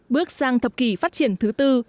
bước sang thập kỷ phát triển thứ tư